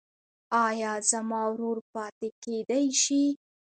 ایا زما ورور پاتې کیدی شي؟